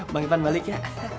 bang ipan balik ya